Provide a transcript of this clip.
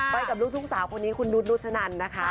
ไปกับลูกสูงสาวคนนุฑนุธชนันนะคะ